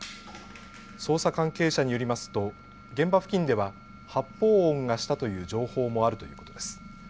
捜査関係者によりますと現場付近では発砲音がしたという情報もあるということです。